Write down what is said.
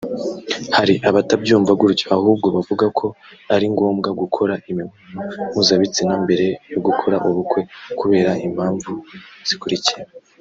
Hari abatabyumva gutyo ahubwo bavuga ko ari ngombwa gukora imibonano mpuzabitsina mbere yo gukora ubukwe kubera impamvu zikurikira